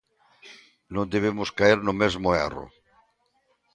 Non debemos caer no mesmo erro.